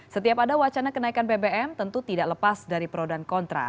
setiap ada wacana kenaikan bbm tentu tidak lepas dari pro dan kontra